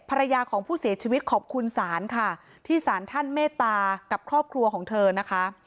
ภรรยาของผู้เสียชีวิตขอบคุณศาลค่ะที่สารท่านเมตตากับครอบครัวของเธอนะคะ